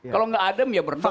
kalau tidak adem ya bertolak